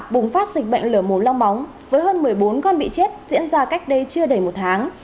bùng phát dịch bệnh lở mồm long móng với hơn một mươi bốn con bị chết diễn ra cách đây chưa đầy một tháng